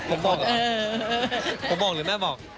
ผมบอกหรือแม่บอก